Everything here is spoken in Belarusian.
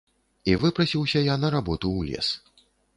І выпрасіўся я на работу ў лес.